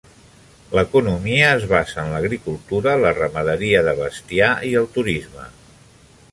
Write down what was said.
L'economia es basa en l'agricultura, la ramaderia de bestiar i el turisme.